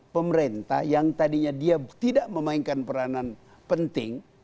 pemerintah yang tadinya dia tidak memainkan peranan penting